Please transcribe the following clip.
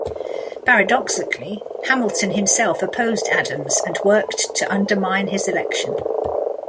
Paradoxically, Hamilton himself opposed Adams and worked to undermine his election.